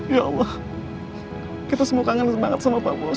ya allah kita semua kangen banget sama pak bos